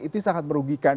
ini sangat merugikan